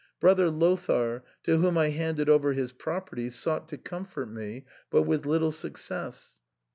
Brother Lothair, to whonj I handed over his property, sought to comfort me, but with little success.